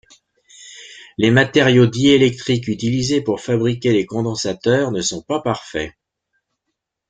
Les matériaux diélectriques utilisés pour fabriquer les condensateurs ne sont pas parfaits.